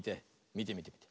みてみてみて。